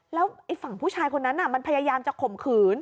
แล้วฝั่งผู้ชายคนนั้นมันพยายามจะข่มขืน